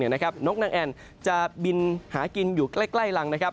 นกนางแอ่นจะบินหากินอยู่ใกล้รังนะครับ